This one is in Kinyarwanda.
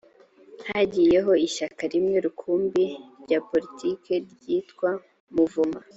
hagiyeho ishyaka rimwe rukumbi rya poritiki ryitwa muvoma